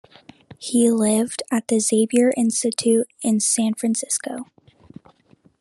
He lived at the Xavier Institute in San Francisco.